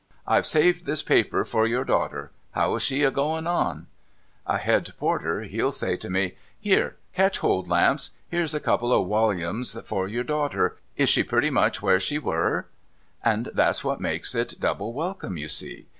I've saved this paper for your daughter. How is she a going on ?" A Head Porter, he'll say to me, " Here ! Catch hold. Lamps. Here's a couple of woUumes for your daughter. Is she pretty much where she were ?" And that's what makes it double welcome, you see.